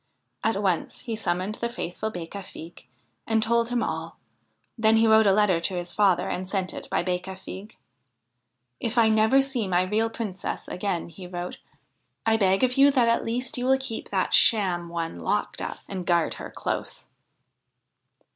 At once he summoned the faithful Becafigue, and told him all. Then he wrote a letter to his father and sent it by Becafigue. ' If I never see my real Princess again,' he wrote, ' I beg of 54 THE HIND OF THE WOOD you that at least you will keep that sham one locked up, and guard her close.'